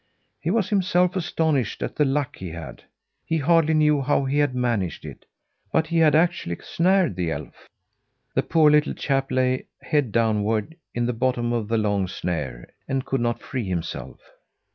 He was himself astonished at the luck he had. He hardly knew how he had managed it but he had actually snared the elf. The poor little chap lay, head downward, in the bottom of the long snare, and could not free himself.